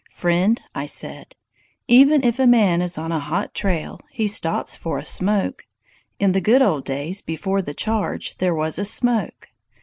"Friend," I said, "even if a man is on a hot trail, he stops for a smoke! In the good old days, before the charge there was a smoke.